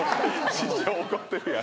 師匠怒ってるやん。